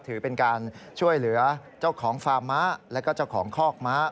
ถือเป็นการช่วยเหลือเจ้าของฟาร์มม้าแล้วก็เจ้าของคอกม้า